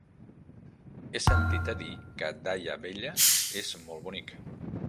He sentit a dir que Daia Vella és molt bonic.